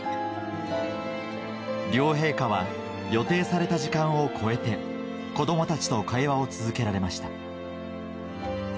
両陛下は予定された時間を超えて子供たちと会話を続けられました